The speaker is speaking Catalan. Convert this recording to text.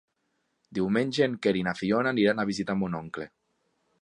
Diumenge en Quer i na Fiona aniran a visitar mon oncle.